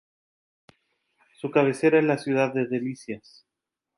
Su cabecera es la ciudad de Delicias.